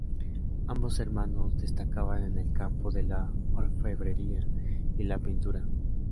Ambos hermanos destacaban en el campo de la orfebrería y la pintura.